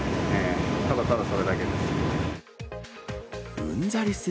ただただそれだけです。